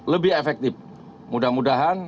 lebih efektif mudah mudahan